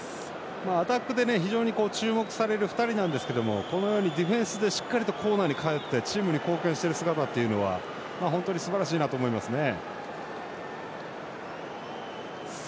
アタックで非常に注目される２人なんですがこのようにディフェンスでしっかりとコーナーに帰ってチームに貢献してる姿本当にすばらしいなと思いますね。